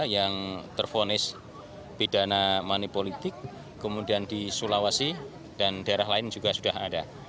yang terfonis pidana manipolitik kemudian di sulawesi dan daerah lain juga sudah ada